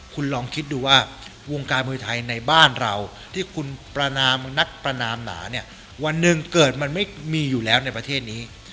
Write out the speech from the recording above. คุณลองคิดดูว่าวงการมวยไทยในบ้านเราที่คุณประนามนักประนามหนาเนี่ยวันหนึ่งเกิดมันไม่มีอยู่แล้วในประเทศนี้